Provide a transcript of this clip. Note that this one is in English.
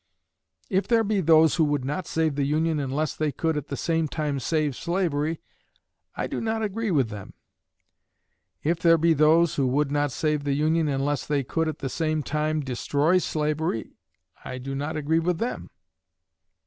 If there be those who would not save the Union unless they could at the same time save slavery, I do not agree with them. If there be those who would not save the Union unless they could at the same time destroy slavery, I do not agree with them.